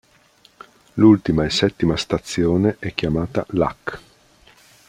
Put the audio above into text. L'ultima e settima stazione è chiamata “Lac”.